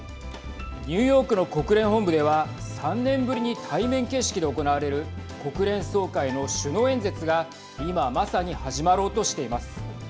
ニューヨークの国連本部では３年ぶりに対面形式で行われる国連総会の首脳演説が今まさに始まろうとしています。